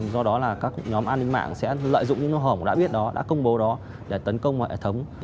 do đó là các nhóm an ninh mạng sẽ lợi dụng những nhóm hổng đã biết đó đã công bố đó để tấn công mọi hệ thống